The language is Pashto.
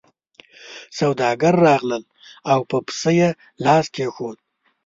سوداګر راغلل او په پسه یې لاس کېښود.